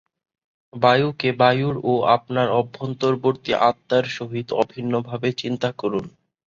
বায়ুকে বায়ুর ও আপনার অভ্যন্তরবর্তী আত্মার সহিত অভিন্নভাবে চিন্তা করুন।